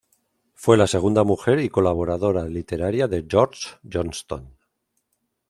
Fue la segunda mujer y colaboradora literaria de George Johnston.